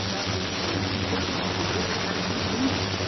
El reactor es el mayor del mundo en su tipo en operación comercial.